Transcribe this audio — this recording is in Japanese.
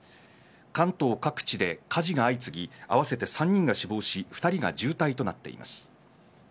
関東各地で火事が相次ぎ合わせて３人が死亡し２人が重体となっています。